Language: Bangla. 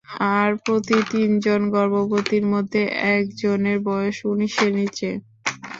আর প্রতি তিন জন গর্ভবতীর মধ্যে একজনের বয়স উনিশের নিচে।